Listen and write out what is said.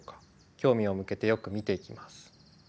興味を向けてよく見ていきます。